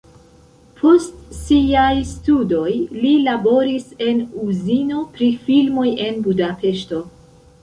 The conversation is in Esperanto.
Post siaj studoj li laboris en uzino pri filmoj en Budapeŝto.